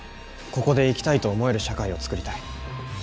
ここで生きたいと思える社会を作りたい。